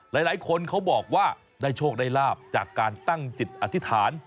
หลายคนเขาบอกว่าได้โชคได้ลาบจากการตั้งจิตอธิษฐาน